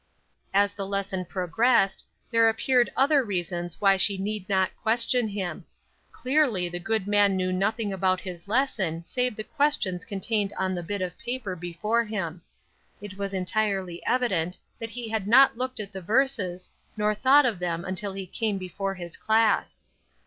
As the lesson progressed there appeared other reasons why she need not question him. Clearly the good man knew nothing about his lesson save the questions contained on the bit of paper before him. It was entirely evident that he had not looked at the verses, nor thought of them until he came before his class.